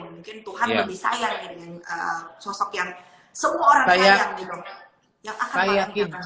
mungkin tuhan lebih sayang dengan sosok yang semua orang sayang gitu